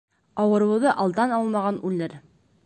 Ауырыуҙы алдан алмаған үлер